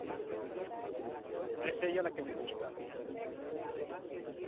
no es ella la que me gusta .